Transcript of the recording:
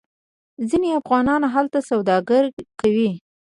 ځینې افغانان هلته سوداګري کوي.